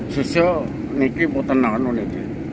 sejak itu ini matang nanti